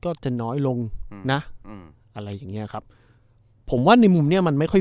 ก็จะน้อยลงอืมนะอืมอะไรอย่างเงี้ยครับผมว่าในมุมเนี้ยมันไม่ค่อย